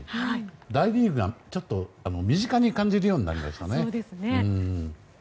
大リーグがちょっと身近に感じるようになりましたね。